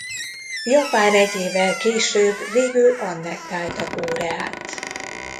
Japán egy évvel később végül annektálta Koreát.